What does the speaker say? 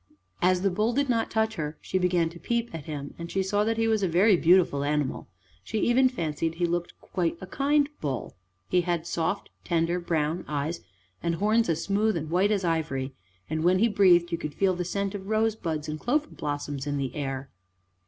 As the bull did not touch her she began to peep at him, and she saw that he was a very beautiful animal; she even fancied he looked quite a kind bull. He had soft, tender, brown eyes, and horns as smooth and white as ivory: and when he breathed you could feel the scent of rosebuds and clover blossoms in the air.